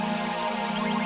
jujur betul tante